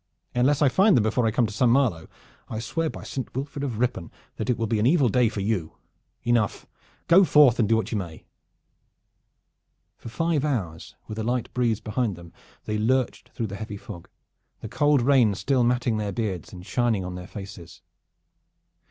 Unless I find them before I come to Saint Malo, I swear by Saint Wilfrid of Ripon that it will be an evil day for you! Enough! Go forth and do what you may!" For five hours with a light breeze behind them they lurched through the heavy fog, the cold rain still matting their beards and shining on their faces.